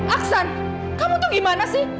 aksan kamu tuh gimana sih